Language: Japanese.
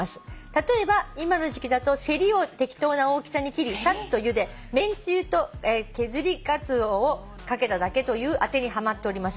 例えば今の時季だとセリを適当な大きさに切りさっとゆで麺つゆと削りがつおをかけただけというあてにはまっております」